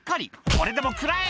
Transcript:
「これでも食らえ！